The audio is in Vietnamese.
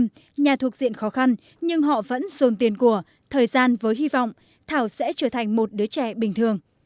trong trung tâm nhà thuộc diện khó khăn nhưng họ vẫn dồn tiền của thời gian với hy vọng thảo sẽ trở thành một đứa trẻ bình thường